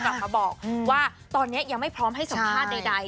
ออกมาบอกว่าตอนนี้ยังไม่พร้อมให้สัมภาษณ์ใด